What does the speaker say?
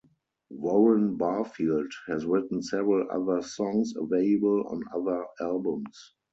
Warren Barfield has written several other songs available on other albums.